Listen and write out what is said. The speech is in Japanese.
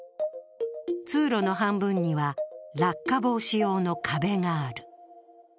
通路の半分には落下防止用の壁がある。